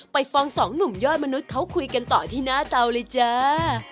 ไปฟังสองหนุ่มยอดมนุษย์เขาคุยกันต่อที่หน้าเตาเลยจ้า